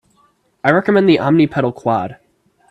I recommend the Omni pedal Quad.